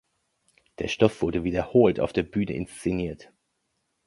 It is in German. Der Stoff wurde wiederholt auf der Bühne inszeniert.